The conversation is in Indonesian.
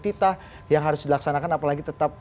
titah yang harus dilaksanakan apalagi tetap